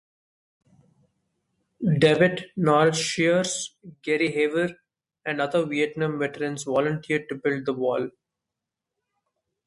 Devitt, Norris Shears, Gerry Haver, and other Vietnam veterans volunteered to build the Wall.